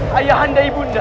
hai ayah anda ibu nda